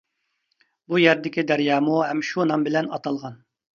بۇ يەردىكى دەريامۇ ھەم شۇ نام بىلەن ئاتالغان.